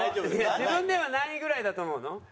自分では何位ぐらいだと思うの？